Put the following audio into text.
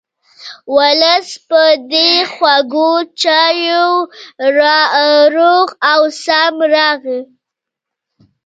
ولس په دې خوږو چایو روغ او سم راغی.